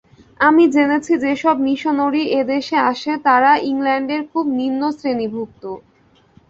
আমি জেনেছি যে-সব মিশনরী এ দেশে আসে, তারা ইংলণ্ডের খুব নিম্নশ্রেণীভুক্ত।